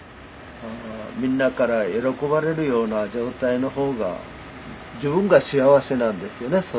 みんなから喜ばれるような状態の方が自分が幸せなんですよね